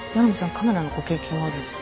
カメラのご経験はあるんですか？